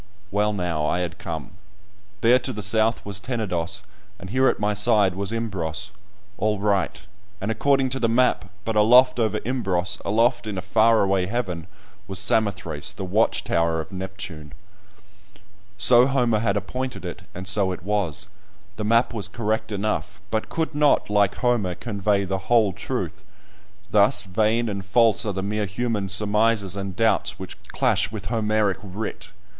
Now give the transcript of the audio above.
Well, now I had come; there to the south was Tenedos, and here at my side was Imbros, all right, and according to the map, but aloft over Imbros, aloft in a far away heaven, was Samothrace, the watch tower of Neptune! So Homer had appointed it, and so it was; the map was correct enough, but could not, like Homer, convey the whole truth. Thus vain and false are the mere human surmises and doubts which clash with Homeric writ!